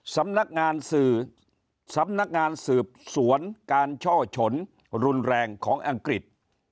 สำนักงานสืบสวนการช่อฉนรุนแรงของอังกฤษ